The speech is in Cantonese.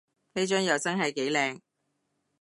呢張又真係幾靚